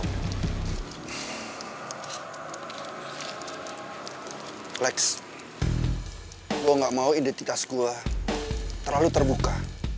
flex gue gak mau identitas gue terlalu terbuka